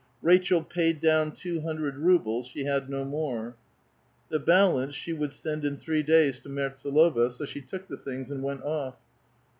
Rachel paid down two hundred rubles ; she had no more ; the balance she would send in three days to Mertsdlova : so she took the things and went off.